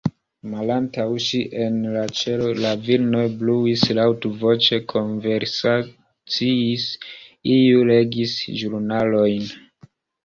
Malantaŭ ŝi, en la ĉelo, la virinoj bruis, laŭtvoĉe konversaciis, iuj legis ĵurnalojn.